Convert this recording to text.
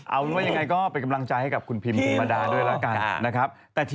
เอาไว้ยังไงก็ไปกำลังจ่ายให้กับคุณพิมคุณมดาด้วยละกันนะครับ